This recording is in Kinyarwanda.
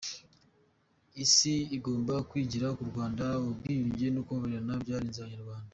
Isi igomba kwigira ku Rwanda ubwiyunge no kubabarira byaranze Abanyarwanda.